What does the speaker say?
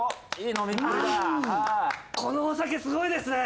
このお酒すごいですね。